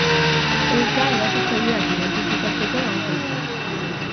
Ez da erasotzaileak identifikatzeko gauza izan.